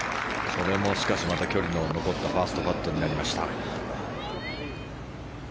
これもまた距離が残ったファーストパットになりました。